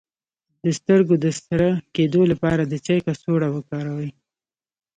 د سترګو د سره کیدو لپاره د چای کڅوړه وکاروئ